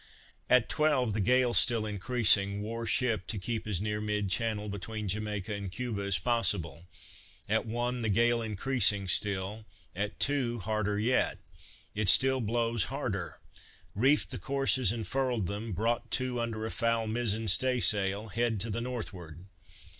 At twelve, the gale still increasing, wore ship, to keep as near mid channel between Jamaica and Cuba, as possible; at one the gale increasing still; at two, harder yet, it still blows harder! Reefed the courses, and furled them; brought to under a foul mizen stay sail, head to the northward.